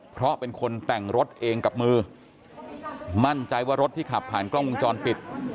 เพราะเป็นคนแต่งรถเองกับมือมั่นใจว่ารถที่ขับผ่านกล้องวงจรปิด